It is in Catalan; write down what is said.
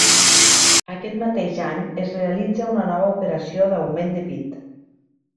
Aquest mateix any es realitza una nova operació d'augment de pit.